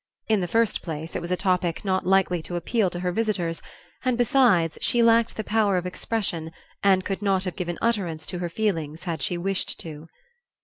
In the first place it was a topic not likely to appeal to her visitors and, besides, she lacked the power of expression and could not have given utterance to her feelings had she wished to.